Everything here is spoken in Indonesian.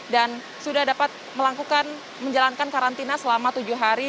dan sudah dapat melakukan menjalankan karantina selama tujuh hari